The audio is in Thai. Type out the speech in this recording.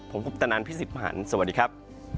ผมคุปตะนันพี่สิทธิ์มหันฯสวัสดีครับ